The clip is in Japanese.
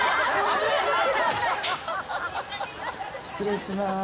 失礼します。